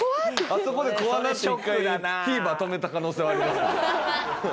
あそこで怖なって一回ＴＶｅｒ止めた可能性はありますね。